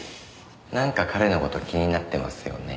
なんか彼の事気になってますよね。